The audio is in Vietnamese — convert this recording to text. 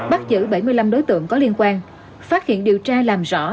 bắt giữ bảy mươi năm đối tượng có liên quan phát hiện điều tra làm rõ